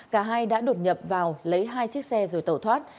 cả hai đã đột nhập vào lấy hai chiếc xe rồi tẩu thoát